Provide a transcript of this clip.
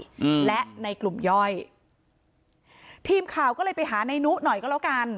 อืมและในกลุ่มย่อยทีมข่าวก็เลยไปหาในนุหน่อยก็แล้วกัน